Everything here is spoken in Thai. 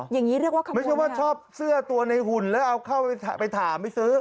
หรอไม่ใช่ว่าชอบเสื้อตัวในหุ่นแล้วเอาเข้าไปถ่ายไม่ซื้อ